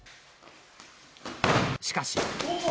しかし。